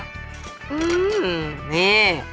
อื้อออนี่